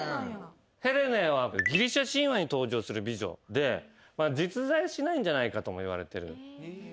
ヘレネーはギリシャ神話に登場する美女で実在しないんじゃないかともいわれてる人なんですよね。